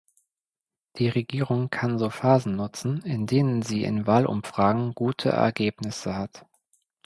Die Regierung kann so Phasen nutzen, in denen sie in Wahlumfragen gute Ergebnisse hat.